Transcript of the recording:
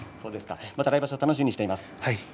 また来場所楽しみにしています。